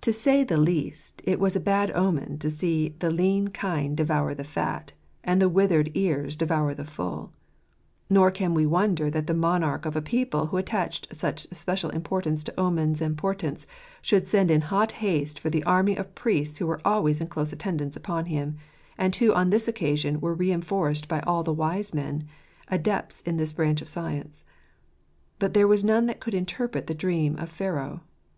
To say the least, it was a bad omen to see the lean kine devour the fat, and the withered ears devour the full : nor can we wonder that the monarch of a people who attached special importance to omens and portents should send in hot haste for the army of priests who were always in close attendance upon him; and who on this occasion were reinforced by all the wise men, adepts in this branch of science. But there was none that could interpret the dream of Pharaoh.